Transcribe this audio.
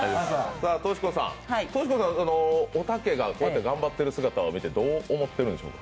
トシ子さん、おたけがこうやって頑張っている姿を見てどう思ってるんでしょうか？